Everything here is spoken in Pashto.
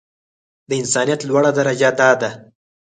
د انسانيت لوړه درجه دا ده.